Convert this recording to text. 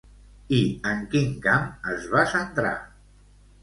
I en quin camp es va centrar?